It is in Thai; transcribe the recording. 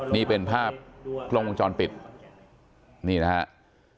นี่เป็นภาพโครงพงษ์จรปิดนี่นะครับ